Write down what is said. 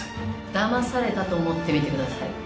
だまされたと思って見てください。